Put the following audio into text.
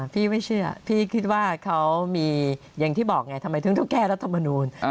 พี่ไม่เชื่อพี่คิดว่าเขามีอย่างที่บอกไงทำไมถึงต้องแก้รัฐมนูล